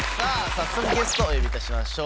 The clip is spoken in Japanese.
早速ゲストをお呼びいたしましょう。